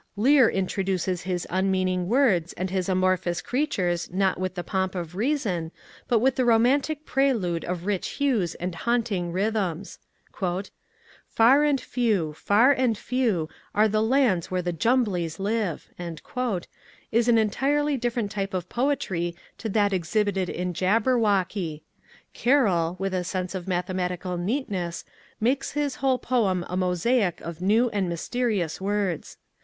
Lear introduces his unmeaning words and his amorphous creatures not with the pomp of reason, but with the ro mantic prelude of rich hues and haunting rhythms. I A De.fence of Nonsense " Far and few, far and few, Are the lands where the Jumblies live," is an entirely different type of poetry to that exhibited in " Jabberwocky." Car roll, with a sense of mathematical neatness, makes his whole poem a mosaic of new and mysterious words.